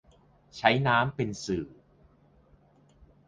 ใช้น้ำเป็นสื่อ